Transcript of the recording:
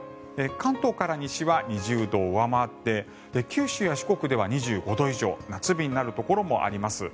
関東から西は２０度を上回って九州から四国は２５度以上夏日になるところもあります。